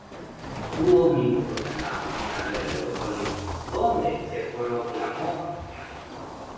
Tuvo minutos en la final de la Europa League donde se proclamó campeón.